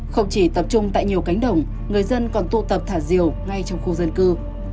không chỉ tập trung tại nhiều cánh đồng người dân còn tu tập thả diều ngay trong khu dân cư